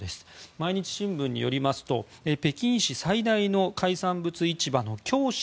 毎日新聞によりますと北京市最大の海産物市場の京深